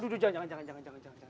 aduh jangan jangan jangan jangan